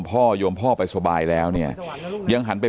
ลูกชายวัย๑๘ขวบบวชหน้าไฟให้กับพุ่งชนจนเสียชีวิตแล้วนะครับ